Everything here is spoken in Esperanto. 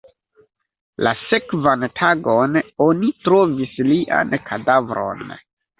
La sekvan tagon, oni trovis lian kadavron.